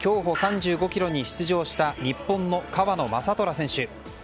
競歩３５ｋｍに出場した日本の川野将虎選手。